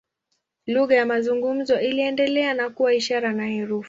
Lugha ya mazungumzo iliendelea na kuwa ishara na herufi.